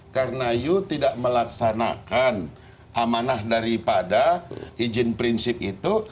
karena you tidak melaksanakan amanah daripada izin prinsip itu